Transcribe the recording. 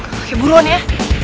pake buruan ya